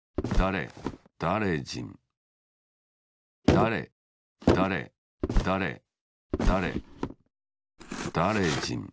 だれだれだれだれだれじん